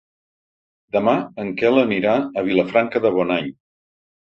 Demà en Quel anirà a Vilafranca de Bonany.